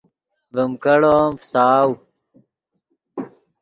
ڤے کیڑو ام فساؤ